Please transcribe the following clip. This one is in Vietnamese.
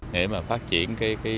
nếu mà phát triển